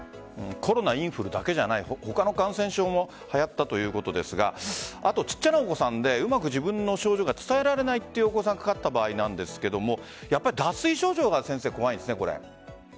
コロナ、インフルだけじゃない他の感染症もはやったということですが小さなお子さんで、うまく自分の症状が伝えられないお子さんがかかった場合ですが脱水症状が怖いですね。